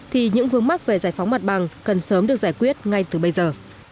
thì những vướng mắc về giải phóng mặt bằng cần sớm được giải quyết ngay từ bây giờ